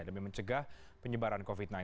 demi mencegah penyebaran covid sembilan belas